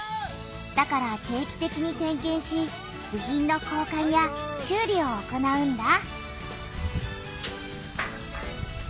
だから定期てきに点けんし部品の交かんや修理を行うんだ。